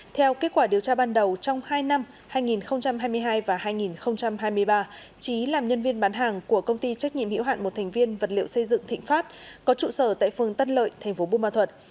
theo kết quả điều tra ban đầu trong hai năm hai nghìn hai mươi hai và hai nghìn hai mươi ba trí làm nhân viên bán hàng của công ty trách nhiệm hiệu hạn một thành viên vật liệu xây dựng thịnh pháp có trụ sở tại phường tân lợi tp buôn ma thuật